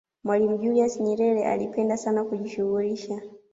mwalimu julius nyerere alipenda sana kujishughulisha